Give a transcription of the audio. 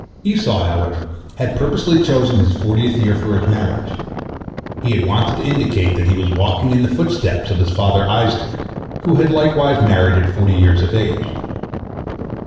Esau, however, had purposely chosen his fortieth year for his marriage; he had wanted to indicate that he was walking in the footsteps of his father Isaac, who had likewise married at forty years of age.